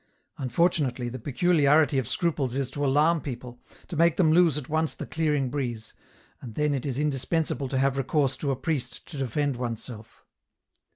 Unfortunately, the peculiarity of scruples is to alarm people, to make them lose at once the clearing breeze, and then it is indispensable to have recourse to a priest to defend oneself.